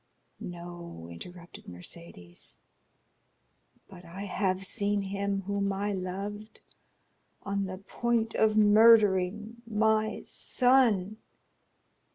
"No," interrupted Mercédès, "but I have seen him whom I loved on the point of murdering my son."